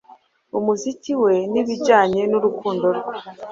umuziki we n’ibijyanye n’urukundo rwe